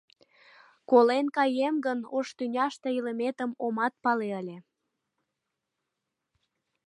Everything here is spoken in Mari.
Колен каем гын, ош тӱняште илыметым омат пале ыле.